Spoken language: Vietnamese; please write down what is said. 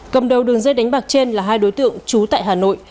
cầm đầu đường dây đánh bạc trên là hai đối tượng trú tại hà nội